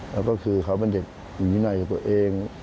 แล้วก็คือเขาเป็นเด็กอยู่ด้วยในตัวเอง